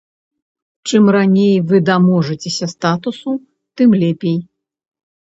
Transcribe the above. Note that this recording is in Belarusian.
Чым раней вы даможацеся статусу, тым лепей.